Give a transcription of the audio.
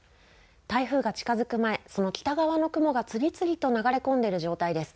台風が近づく前、その北側の雲が次々と流れ込んでいる状態です。